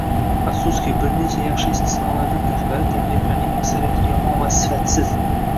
Afsuski, bir nechta yaxshi istisnolardan tashqari, takliflarning aksariyati yomon va sifatsiz